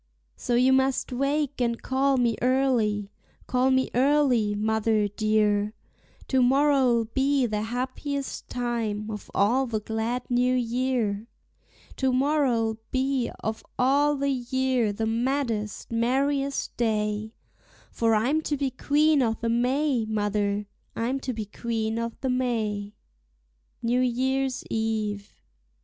So you must wake and call me early, call me early, mother dear; To morrow'll be the happiest time of all the glad new year; To morrow'll be of all the year the maddest, merriest day, For I'm to be Queen o'the May, mother, I'm to be Queen o'the May. NEW YEAR'S EVE.